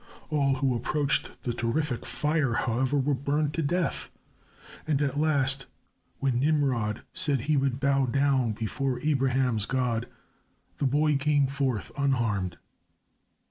All who approached the terrific fire, however, were burned to death, and at last when Nimrod said he would bow down before Abraham's God the boy came forth unharmed.